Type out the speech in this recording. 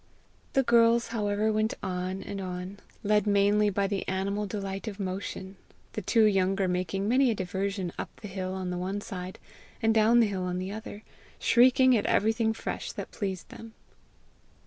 The girls, however, went on and on, led mainly by the animal delight of motion, the two younger making many a diversion up the hill on the one side, and down the hill on the other, shrieking at everything fresh that pleased them.